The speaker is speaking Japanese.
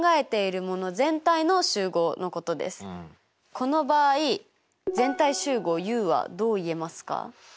この場合全体集合Ｕはどう言えますか？